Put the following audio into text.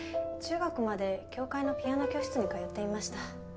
中学まで教会のピアノ教室に通っていました。